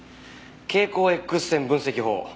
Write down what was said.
蛍光Ｘ線分析法。